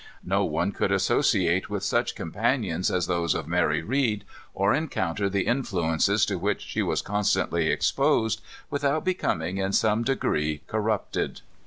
No one could associate with such companions as those of Mary Read, or encounter the influences to which she was constantly exposed, without becoming in some degree corrupted.